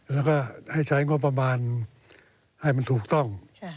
แล้วก็ให้ใช้งบประมาณให้มันถูกต้อง